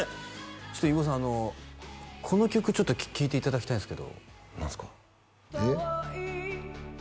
ちょっと飯尾さんこの曲ちょっと聴いていただきたいんですけど何すか？